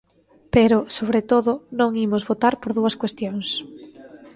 Pero, sobre todo, non imos votar por dúas cuestións.